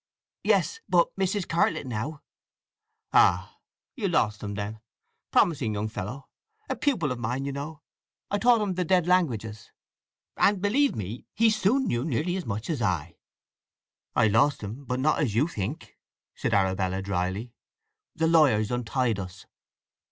"Yes. But Mrs. Cartlett now." "Ah—you lost him, then? Promising young fellow! A pupil of mine, you know. I taught him the dead languages. And believe me, he soon knew nearly as much as I." "I lost him; but not as you think," said Arabella dryly. "The lawyers untied us.